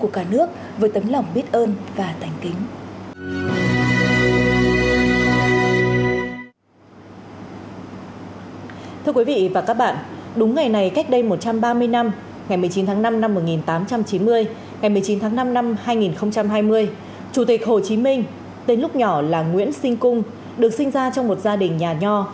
chủ tịch hồ chí minh tên lúc nhỏ là nguyễn sinh cung được sinh ra trong một gia đình nhà nho